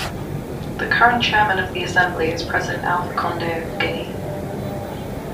The current Chairman of the Assembly is President Alpha Conde of Guinea.